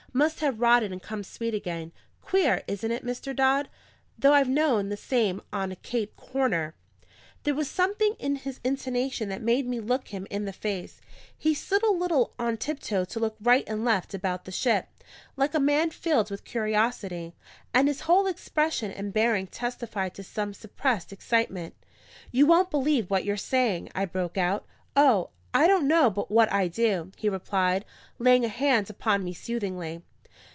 "Must have rotted and come sweet again. Queer, isn't it, Mr. Dodd? Though I've known the same on a Cape Horner." There was something in his intonation that made me look him in the face; he stood a little on tiptoe to look right and left about the ship, like a man filled with curiosity, and his whole expression and bearing testified to some suppressed excitement. "You don't believe what you're saying!" I broke out. "O, I don't know but what I do!" he replied, laying a hand upon me soothingly.